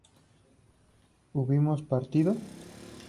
¿hubimos partido?